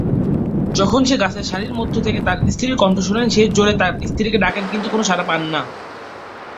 যখন সে গাছের সারির মধ্য থেকে তার স্ত্রীর কণ্ঠ শোনেন সে জোরে তার স্ত্রীকে ডাকেন কিন্তু কোন সাড়া পান না।